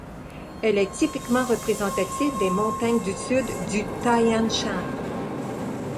Elle est typiquement représentative des montagnes du sud du Tian Shan.